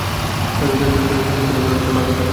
সহযোগিতার পুরস্কার হিসেবে মৃত্যু নয়, গণিমতের মাল দিতাম।